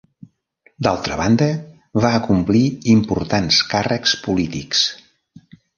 D'altra banda, va acomplir importants càrrecs polítics.